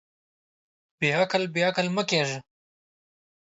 بېعقل، بېعقل مۀ کېږه.